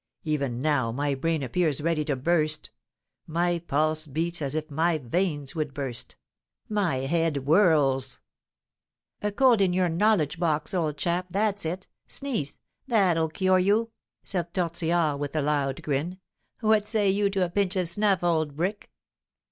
Even now my brain appears ready to burst; my pulse beats as if my veins would burst; my head whirls " "A cold in your 'knowledge box,' old chap that's it; sneeze that'll cure you," said Tortillard, with a loud grin; "what say you to a pinch of snuff, old brick?"